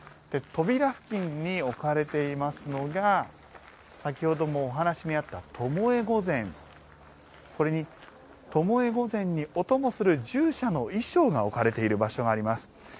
扉付近に置かれていますのが先ほどもお話にあった「巴御前」にお供する従者の衣装が置かれている場所があります。